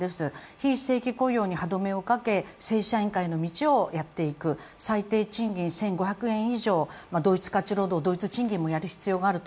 非正規雇用に歯止めをかけ、正社員化への道をやっていく最低賃金を１５００円以上同一価値労働、同一価値賃金も必要だと。